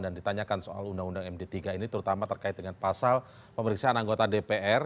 dan ditanyakan soal undang undang md tiga ini terutama terkait pasal pemeriksaan anggota dpr